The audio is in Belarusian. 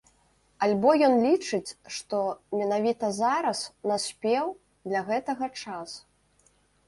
Альбо ён лічыць, што менавіта зараз наспеў для гэтага час.